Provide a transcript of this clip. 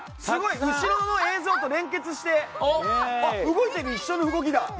すごい、後ろの映像と連結して一緒の動きだ。